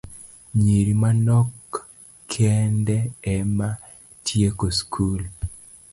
Nyiri manok kende ema tieko skul.